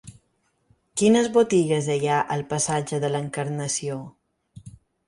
Quines botigues hi ha al passatge de l'Encarnació?